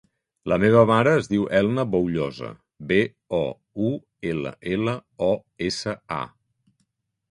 La meva mare es diu Elna Boullosa: be, o, u, ela, ela, o, essa, a.